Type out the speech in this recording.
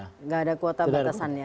tidak ada kuota batasannya